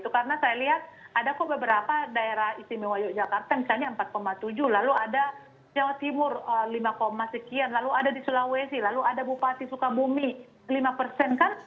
karena saya lihat ada kok beberapa daerah istimewa yogyakarta misalnya empat tujuh lalu ada jawa timur lima sekian lalu ada di sulawesi lalu ada bupati sukabumi lima persen kan